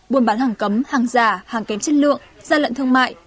buôn bán hàng cấm hàng giả hàng kém chất lượng gian lận thương mại